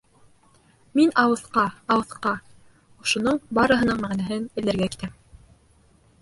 Мин алыҫҡа, алыҫҡа, ошоноң барыһының мәғәнәһен эҙләргә китәм.